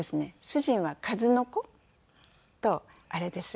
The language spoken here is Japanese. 主人は数の子とあれです。